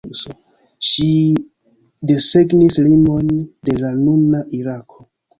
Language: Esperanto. Ŝi desegnis limojn de la nuna Irako.